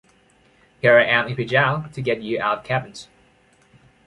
Here I am in Pigalle to get you out of cabins.